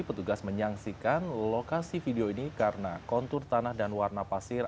petugas menyaksikan lokasi video ini karena kontur tanah dan warna pasir